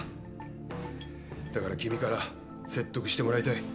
だから君から説得してもらいたい。